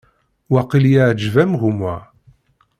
Waqil iɛǧeb-am gma?